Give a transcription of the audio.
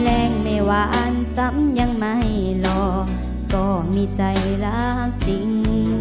แรงไม่หวานซ้ำยังไม่หลอกก็มีใจรักจริง